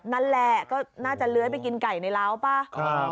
นั่นแหละก็น่าจะเลื้อยไปกินไก่ในร้าวป่ะ